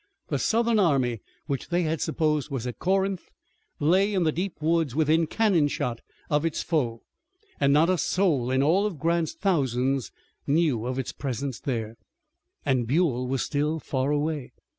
The Southern army, which they had supposed was at Corinth, lay in the deep woods within cannon shot of its foe, and not a soul in all Grant's thousands knew of its presence there! And Buell was still far away!